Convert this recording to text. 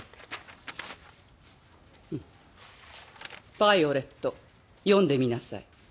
ヴァイオレット読んでみなさい。